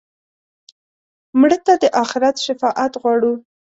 مړه ته د آخرت شفاعت غواړو